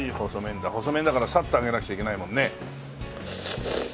細麺だからサッと上げなくちゃいけないもんね。